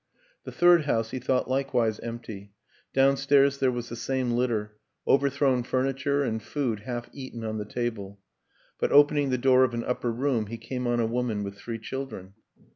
The third house he thought likewise empty; downstairs there was the same litter overthrown furniture and food half eaten on the table; but opening the door of an upper room he came on a woman with three children.